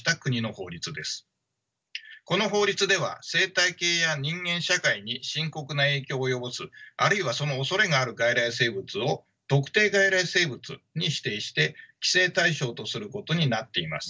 この法律では生態系や人間社会に深刻な影響を及ぼすあるいはそのおそれがある外来生物を特定外来生物に指定して規制対象とすることになっています。